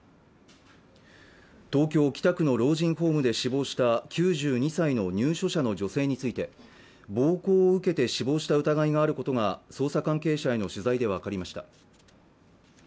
東京・北区の老人ホームで死亡した９２歳の入所者の女性について暴行を受けて死亡した疑いがあることが捜査関係者への取材で分かりました